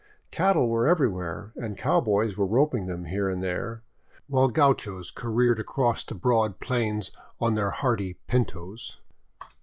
Cattle were everywhere, and cow boys were roping them here and there, while gauchos careered across the broad plains on their hardy pmtos.